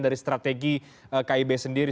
dari strategi kib sendiri